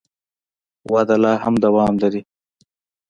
وده لا هم دوام لري.